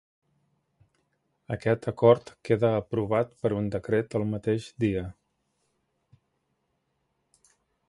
Aquest acord queda aprovat per un decret el mateix dia.